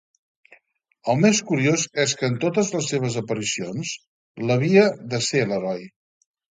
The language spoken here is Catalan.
El més curiós és que en totes les seves aparicions, l'havia de ser l'heroi.